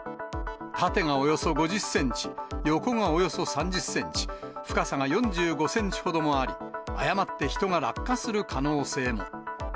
縦がおよそ５０センチ、横がおよそ３０センチ、深さが４５センチほどもあり、誤って人が落下する可能性も。